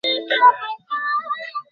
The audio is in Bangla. ব্যথার বিরুদ্ধে লড়বে।